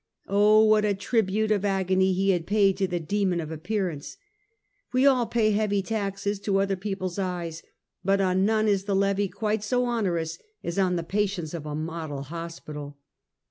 Oh, what a tribute of agony he had paid to the demon of appearance! We all pay heavy taxes to other people's eyes; but on none is the levy quite so onerous as on the patients of a model hospital!